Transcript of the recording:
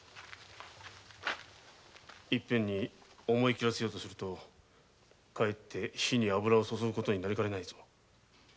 いっぺんに思い切らせようとするとかえって火に油をそそぐ事にもなりかねんぞ。